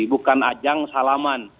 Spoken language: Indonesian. bukan ajang salaman